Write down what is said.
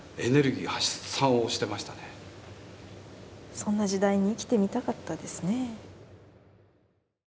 そんな時代に生きてみたかったですねえ。